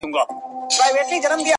چي ستاینه د مجنون د زنځیر نه وي,